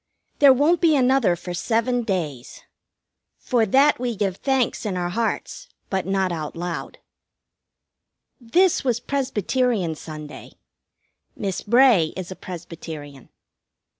There won't be another for seven days. For that we give thanks in our hearts, but not out loud. This was Presbyterian Sunday. Miss Bray is a Presbyterian.